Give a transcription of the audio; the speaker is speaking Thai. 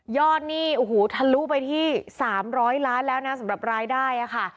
ยอดนี่ทะลุไปที่๓๐๐ล้านแล้วนะสำหรับรายได้ค่ะ